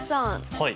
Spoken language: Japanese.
はい。